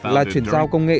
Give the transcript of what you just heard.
là chuyển giao công nghệ